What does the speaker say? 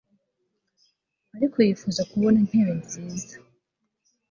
ariko yifuza kubona intebe nziza